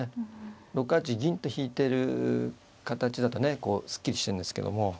６八銀と引いてる形だとねすっきりしてんですけども。